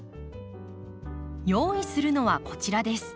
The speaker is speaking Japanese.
用意するのはこちらです。